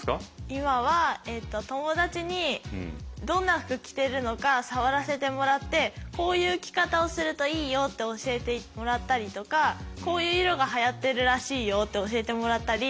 今は友達にどんな服着てるのか触らせてもらってこういう着方をするといいよって教えてもらったりとかこういう色がはやってるらしいよって教えてもらったり。